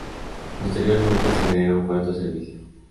Posteriormente se agrega un cuarto servicio.